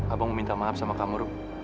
abang mau minta maaf sama kamu rum